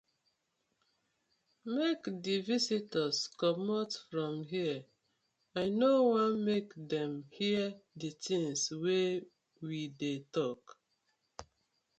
Mak di visitors comot from here I no wan mek dem hear di tinz wey we dey tok.